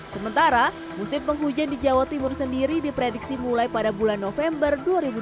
sementara musim penghujan di jawa timur sendiri diprediksi mulai pada bulan november dua ribu dua puluh